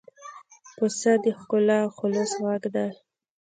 پسه د ښکلا او خلوص غږ دی.